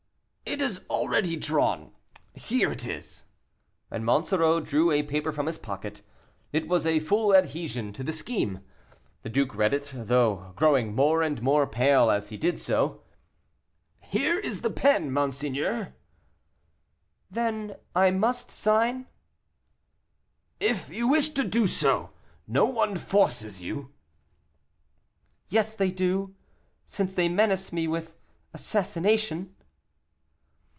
"It is already drawn here it is;" and Monsoreau drew a paper from his pocket: it was a full adhesion to the scheme. The duke read it though, growing more and more pale as he did so. "Here is the pen, monseigneur." "Then I must sign?" "If you wish to do so; no one forces you." "Yes, they do, since they menace me with assassination."